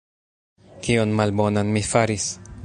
Kion malbonan mi faris?